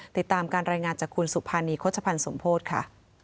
ติดตามการรายงานจากคุณสุภานีโฆษภัณฑ์สมโพธิค่ะ